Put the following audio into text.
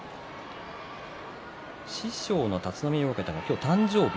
師匠の立浪親方の今日、誕生日。